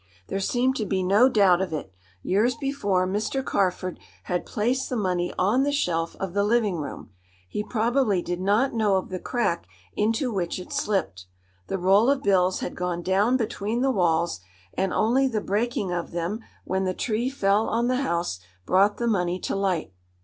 There seemed to be no doubt of it. Years before Mr. Carford had placed the money on the shelf of the living room. He probably did not know of the crack into which it slipped. The roll of bills had gone down between the walls, and only the breaking of them when the tree fell on the house brought the money to light.